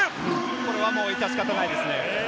これは致し方ないですね。